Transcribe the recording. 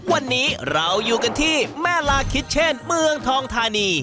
วันนี้เราอยู่กันที่แม่ลาคิชเช่นเมืองทองธานี